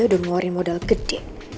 udah ngeluarin modal gede